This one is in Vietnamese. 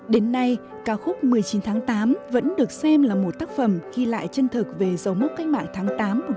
đến nay ca khúc một mươi chín tháng tám vẫn được xem là một tác phẩm ghi lại chân thực về dấu mốc cách mạng tháng tám một nghìn chín trăm bốn mươi năm